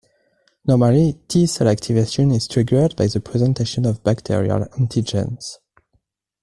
Normally, T cell activation is triggered by the presentation of bacterial antigens.